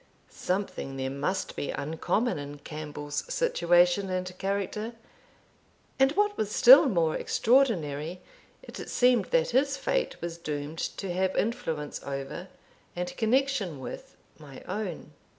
Something there must be uncommon in Campbell's situation and character; and what was still more extraordinary, it seemed that his fate was doomed to have influence over, and connection with, my own.